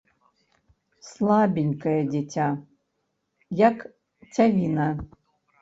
Слабенькае дзіця, як цявіна.